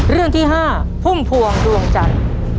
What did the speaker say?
เรื่องเห็ดครับ